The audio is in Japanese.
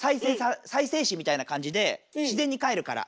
再生紙みたいな感じで自然にかえるから。